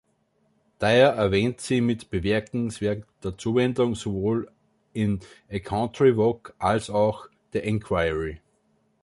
Dyer erwähnt sie mit bemerkenswerter Zuwendung sowohl in „A Country Walk“ als auch „The Inquiry“.